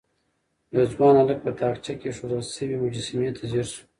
يو ځوان هلک په تاقچه کې ايښودل شوې مجسمې ته ځير شو.